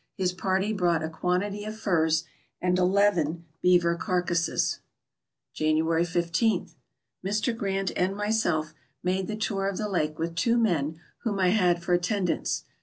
His party brought a quantity of furs and eleven beaver carcasses. January ij. — Mr. Grant and myself made the tour of the lake with two men whom I had for attendants.